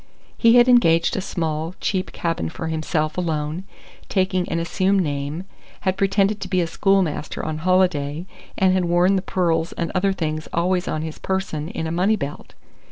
He had engaged a small, cheap cabin for himself alone, taking an assumed name; had pretended to be a schoolmaster on holiday, and had worn the pearls and other things always on his person in a money belt.